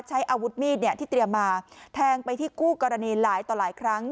ใช้อาวุธมีดที่เตรียมมาแทงไปที่คู่กรณีหลายต่อหลายครั้ง